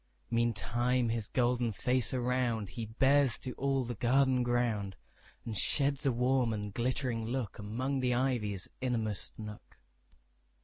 Meantime his golden face aroundHe bears to all the garden ground, And sheds a warm and glittering lookAmong the ivy's inmost nook.